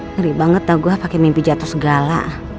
ngeri banget tau gue pakai mimpi jatuh segala